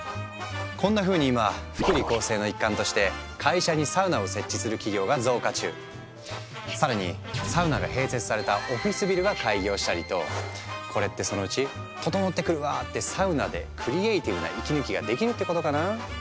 こんなふうに今更にサウナが併設されたオフィスビルが開業したりとこれってそのうち「ととのってくるわ」ってサウナでクリエーティブな息抜きができるってことかな？